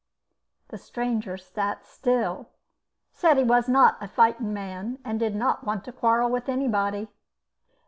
The stranger sat still, said he was not a fighting man, and did not want to quarrel with anybody.